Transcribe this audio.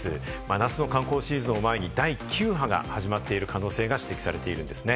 夏の観光シーズンを前に第９波が始まっている可能性が指摘されているんですね。